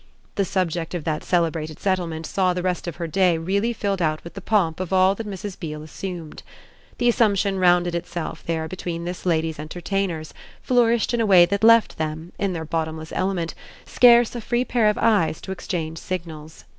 The subject of that celebrated settlement saw the rest of her day really filled out with the pomp of all that Mrs. Beale assumed. The assumption rounded itself there between this lady's entertainers, flourished in a way that left them, in their bottomless element, scarce a free pair of eyes to exchange signals.